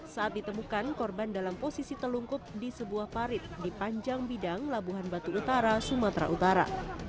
saat ditemukan korban dalam posisi telungkup di sebuah parit di panjang bidang labuhan batu utara sumatera utara